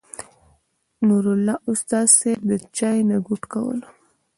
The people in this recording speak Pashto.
نور الله استاذ صېب د چاے نه ګوټ کولو